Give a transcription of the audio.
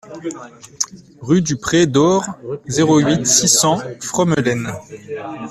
Rue du Pré d'Haurs, zéro huit, six cents Fromelennes